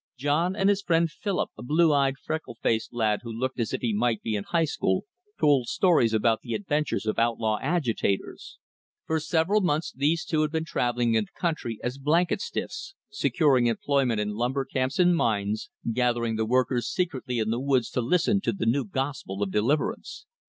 John and his friend Philip, a blue eyed, freckle faced lad who looked as if he might be in high school, told stories about the adventures of outlaw agitators. For several months these two had been traveling the country as "blanket stiffs," securing employment in lumber camps and mines, gathering the workers secretly in the woods to listen to the new gospel of deliverance.